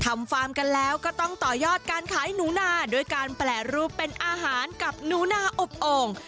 ฟาร์มกันแล้วก็ต้องต่อยอดการขายหนูนาด้วยการแปรรูปเป็นอาหารกับหนูนาอบโอ่ง